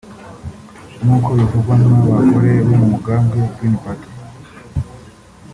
nk'uko bivurwa n'abagore bo mu mugambwe Green party